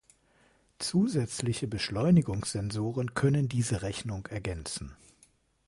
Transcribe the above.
Zusätzliche Beschleunigungssensoren können diese Rechnung ergänzen.